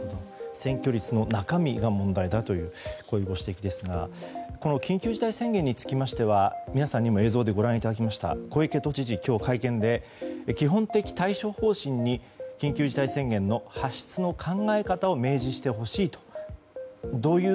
占拠率の中身が問題だというご指摘ですが緊急事態宣言につきましては皆さんにも映像でご覧いただきました小池都知事、今日会見で基本的対処方針に緊急事態宣言の発出の考え方を明示してほしいという。